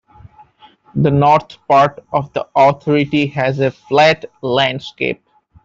The north part of the authority has a flat landscape.